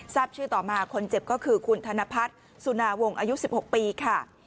ทราบชื่อต่อมาคนเจ็บก็คือคุณธนพัฒน์สุนาวงศ์อายุ๑๖ปีค่ะ